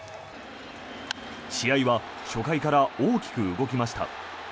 試合は初回から大きく動きました。